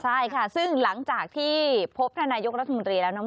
ใช่ค่ะซึ่งหลังจากที่พบท่านนายกรัฐมนตรีแล้วนะ